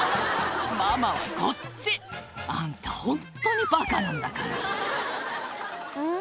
「ママはこっち！あんたホントにバカなんだから」ん？